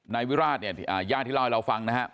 นายวิราชเนี่ยญาติที่เล่าให้เราฟังนะครับ